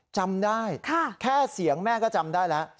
จำได้แค่เสียงแม่ก็จำได้แล้ว